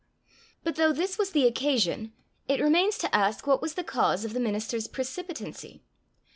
But though this was the occasion, it remains to ask what was the cause of the minister's precipitancy.